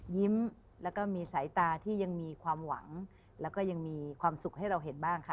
ยิ้มแล้วก็มีสายตาที่ยังมีความหวังแล้วก็ยังมีความสุขให้เราเห็นบ้างค่ะ